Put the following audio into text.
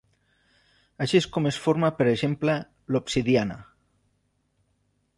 Així és com es forma per exemple, l'obsidiana.